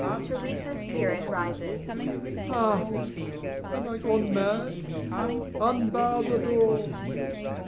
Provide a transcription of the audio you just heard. [Theresa's spirit rises.] Ha! am I gone mad? Unbar the door!